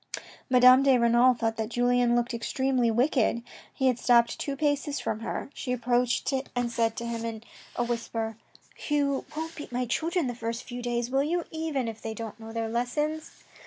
Madame de Renal thought that Julien looked extremely wicked. He had stopped two paces from her. She approached and said to him in a whisper :" You won't beat my children the first few days, will you, even if they do not know their lessons